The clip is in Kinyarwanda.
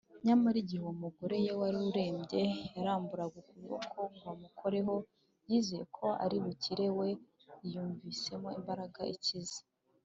nyamara igihe uwo mugore wari urembye yaramburaga ukuboko ngo amukoreho yizeye ko ari bukire, we yiyumvisemo imbaraga ikiza